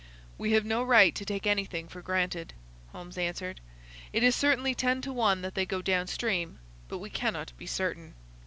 "We have no right to take anything for granted," Holmes answered. "It is certainly ten to one that they go down stream, but we cannot be certain.